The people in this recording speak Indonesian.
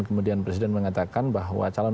kemudian presiden mengatakan bahwa calon